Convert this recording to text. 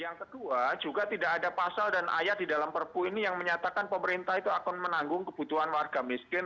yang kedua juga tidak ada pasal dan ayat di dalam perpu ini yang menyatakan pemerintah itu akan menanggung kebutuhan warga miskin